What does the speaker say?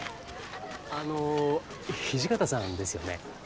あの土方さんですよね？